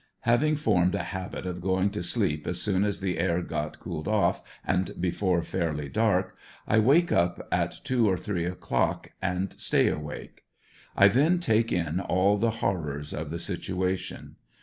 Having formed a habit of going to sleep as soon as the air got cooled off and before fairly dark, I wake up at two or three o'clock and stay awake. I then take in all the hor rors of the situation.